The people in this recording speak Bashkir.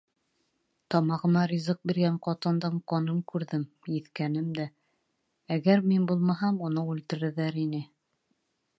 Тамағыма ризыҡ биргән ҡатындың ҡанын күрҙем, еҫкәнем дә — әгәр мин булмаһам, уны үлтерерҙәр ине.